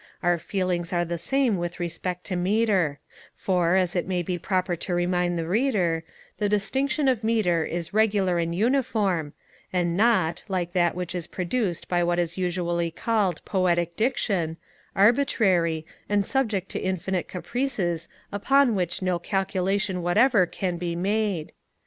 Our feelings are the same with respect to metre; for, as it may be proper to remind the Reader, the distinction of metre is regular and uniform, and not, like that which is produced by what is usually called POETIC DICTION, arbitrary, and subject to infinite caprices upon which no calculation whatever can be made.